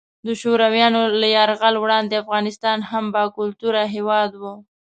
د شورویانو له یرغل وړاندې افغانستان هم باکلتوره هیواد وو.